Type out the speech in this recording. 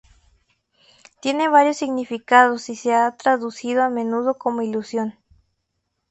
Tiene varios significados y se ha traducido a menudo como "ilusión".